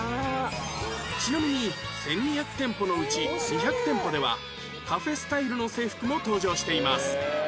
ちなみに１２００店舗のうち２００店舗ではカフェスタイルの制服も登場しています